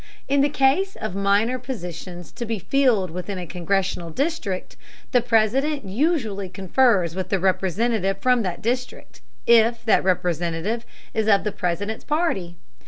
In the case of minor positions to be filled within a congressional district, the President usually confers with the Representative from that district, if that Representative is of the President's party.